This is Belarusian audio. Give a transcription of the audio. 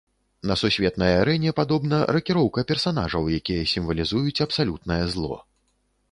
На сусветнай арэне, падобна, ракіроўка персанажаў, якія сімвалізуюць абсалютнае зло.